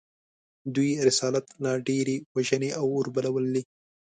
د دوی رسالت لا ډېرې وژنې او اوربلول دي